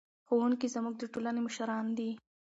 ښوونکي زموږ د ټولنې مشران دي.